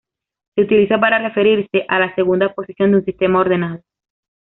Se utiliza para referirse a la segunda posición de un sistema ordenado.